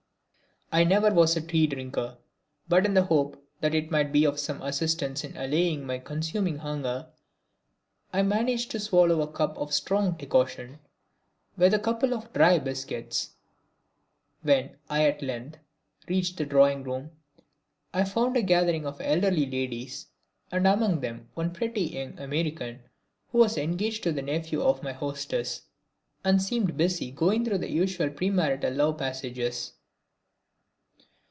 I never was a tea drinker, but in the hope that it might be of some assistance in allaying my consuming hunger I managed to swallow a cup of strong decoction with a couple of dry biscuits. When I at length reached the drawing room I found a gathering of elderly ladies and among them one pretty young American who was engaged to a nephew of my hostess and seemed busy going through the usual premarital love passages.